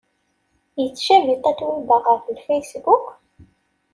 Ittcabi Tatoeba ɣer Facebook?